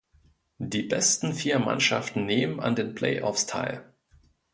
Die besten vier Mannschaften nehmen an den Playoffs teil.